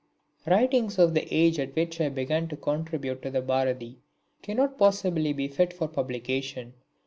Writings of the age at which I began to contribute to the Bharati cannot possibly be fit for publication.